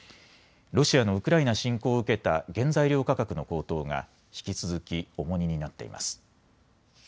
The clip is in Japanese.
ロシアのウクライナ侵攻を受けた原材料価格の高騰が引き続き重荷になっています。